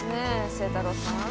星太郎さん。